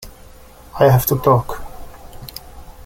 I have to talk.